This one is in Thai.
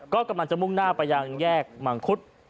ก็กำลังจะมุ่งหน้าไปยังแยกมังคุด